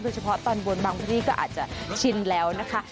เฉพาะตอนบนบางพื้นที่ก็อาจจะชินแล้วนะคะ